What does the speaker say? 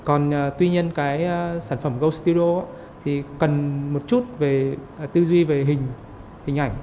còn tuy nhiên cái sản phẩm goldstudio thì cần một chút tư duy về hình ảnh